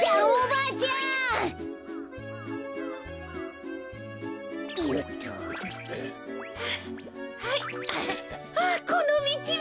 あっこのみちは！